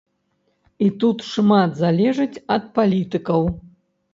І тут шмат залежыць ад палітыкаў.